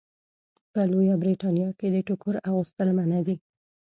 په لویه برېتانیا کې د ټوکر اغوستل منع دي.